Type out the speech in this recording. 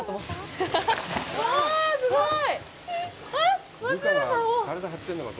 うわ、すごい！